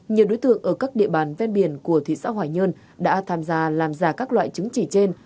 nhiều đối tượng ở các địa bàn ven biển của thị xã hoài nhơn đã tham gia làm giả các loại chứng chỉ trên